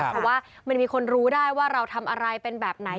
เพราะว่ามันมีคนรู้ได้ว่าเราทำอะไรเป็นแบบไหน